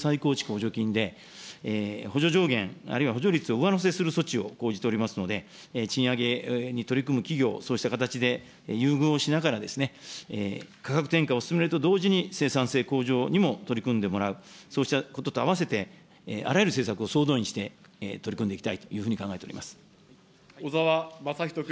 補助金で、補助上限、あるいは補助率を上乗せする措置を講じておりますので、賃上げに取り組む企業をそうした形で優遇をしながら、価格転嫁を進めると同時に、生産性向上にも取り組んでもらう、そうしたこととあわせて、あらゆる政策を総動員して取り組んでいきたいというふうに考えて小沢雅仁君。